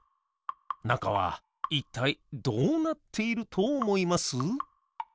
なかはいったいどうなっているとおもいます？